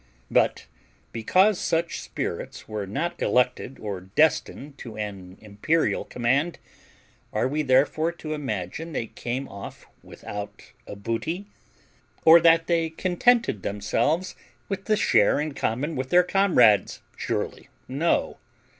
"But, because such spirits were not elected or destined to an imperial command, are we therefore to imagine they came off without a booty? or that they contented themselves with the share in common with their comrades? Surely, no.